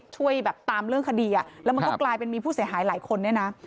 ช่วยแบบตามเรื่องคดีอ่ะแล้วมันก็กลายเป็นมีผู้เสียหายหลายคนเนี่ยนะ